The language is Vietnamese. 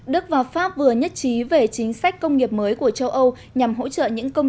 đức và pháp vừa nhất trí về chính sách công nghiệp mới của châu âu nhằm hỗ trợ những công